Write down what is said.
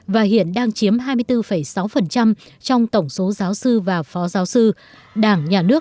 và hiện đang chiếm hai mươi bốn sáu trong tổng số giáo sư và phó giáo sư